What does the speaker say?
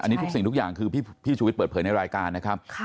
อันนี้ทุกสิ่งทุกอย่างคือพี่ชูวิทย์เปิดเผยในรายการนะครับ